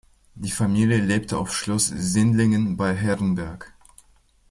Die Familie lebte auf Schloss Sindlingen bei Herrenberg.